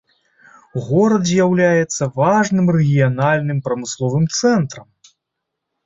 Горад з'яўляецца важным рэгіянальным прамысловым цэнтрам.